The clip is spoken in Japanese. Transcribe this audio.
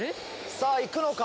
さぁ行くのか？